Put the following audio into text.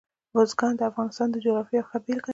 بزګان د افغانستان د جغرافیې یوه ښه بېلګه ده.